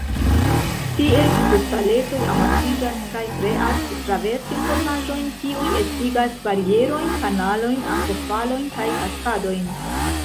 Tiel kristaletoj amasiĝas kaj kreas travertin-formaĵojn, kiuj estigas barierojn, kanalojn, akvofalojn kaj kaskadojn.